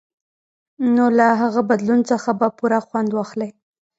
نو له هغه بدلون څخه به پوره خوند واخلئ.